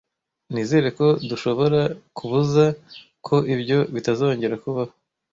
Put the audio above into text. Nizere ko dushobora kubuza ko ibyo bitazongera kubaho.